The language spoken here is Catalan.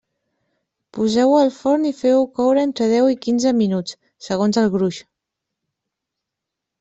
Poseu-ho al forn i feu-ho coure entre deu i quinze minuts, segons el gruix.